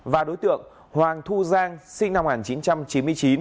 và đối tượng hoàng thu giang sinh năm một nghìn chín trăm chín mươi chín